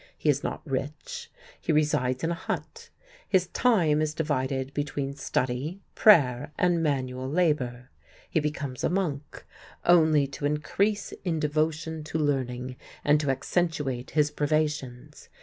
He is not rich; he resides in a hut; his time is divided between study, prayer, and manual labor. He becomes a monk, only to increase in devotion to learning and to accentuate his privations.